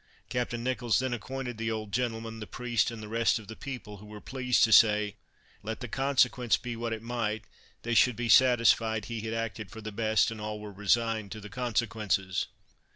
Captain Nicholls then acquainted the old gentleman, the priest and the rest of the people, who were pleased to say, let the consequence be what it might, they should be satisfied, he had acted for the best, and all were resigned to the consequences.